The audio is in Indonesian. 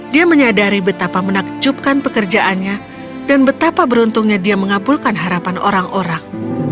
dia menyadari betapa menakjubkan pekerjaannya dan betapa beruntungnya dia mengabulkan harapan orang orang